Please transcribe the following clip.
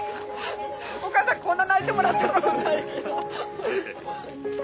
お母さんこんな泣いてもらったことないけど。